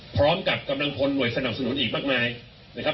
พร้อมกับกำลังพลหน่วยสนับสนุนอีกมากมายนะครับ